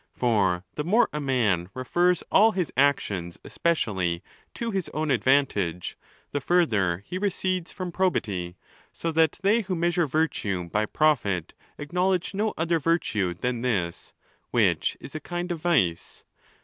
For the more a man refers all his actions especially to his own advantage, the further he recedes from probity ; so that they who measure virtue by profit, acknowledge no other virtue than this, which is a kind of vice.